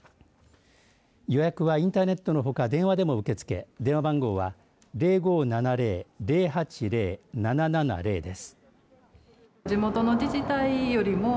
予約はインターネットのほか電話でも受け付け電話番号は０５７０‐０８０‐７７０です。